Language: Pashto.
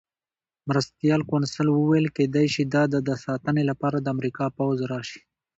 مرستیال کونسل وویل: کېدای شي د ده د ساتنې لپاره د امریکا پوځ راشي.